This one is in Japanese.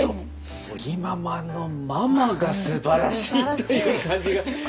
尾木ママのママがすばらしいという感じが。